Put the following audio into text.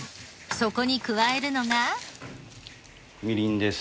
そこに加えるのが。